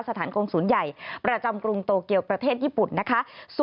สถานกงศูนย์ใหญ่ประจำกรุงโตเกียวประเทศญี่ปุ่นนะคะ